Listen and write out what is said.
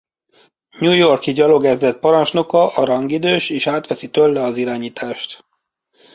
New York-i gyalogezred parancsnoka a rangidős és átveszi tőle a irányítást.